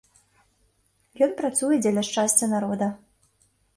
Ён працуе дзеля шчасця народа.